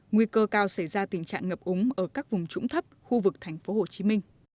nguy cơ cao xảy ra tình trạng ngập úng ở các vùng trũng thấp khu vực tp hcm